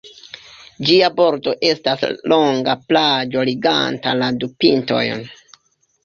Ĝia bordo estas longa plaĝo liganta la du pintojn.